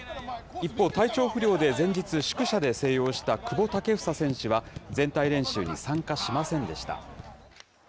一方、体調不良で前日、宿舎で静養した久保建英選手は全体練習に参加しませんでした。